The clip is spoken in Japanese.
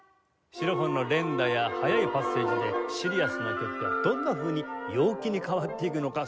シロフォンの連打や速いパッセージでシリアスな曲がどんなふうに陽気に変わっていくのか